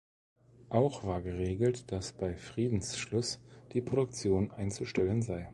Auch war geregelt, dass bei Friedensschluss die Produktion einzustellen sei.